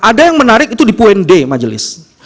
ada yang menarik itu di puen d majelis